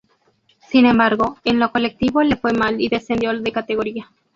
Sin embargo, en lo colectivo le fue mal y descendió de categoría.